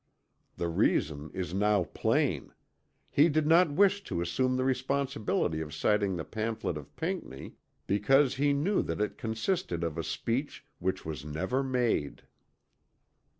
The reason is now plain he did not wish to assume the responsibility of citing the pamphlet of Pinckney because he knew that it consisted of a speech which was never made.